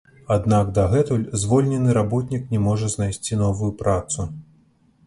Аднак дагэтуль звольнены работнік не можа знайсці новую працу.